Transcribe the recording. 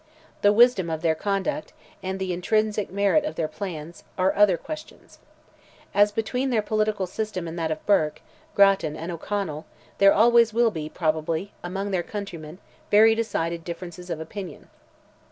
The wisdom of their conduct, and the intrinsic merit of their plans, are other questions. As between their political system and that of Burke, Grattan and O'Connell, there always will be, probably, among their countrymen, very decided differences of opinion.